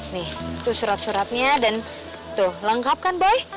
nih tuh surat suratnya dan tuh lengkap kan boy